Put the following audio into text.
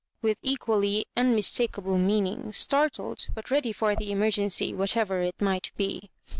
with equally unmistakable meaning, startled, but ready for the emergency, whatever it might be.